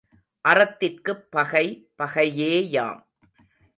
அறத்திற்குப் பகை, பகையேயாம்.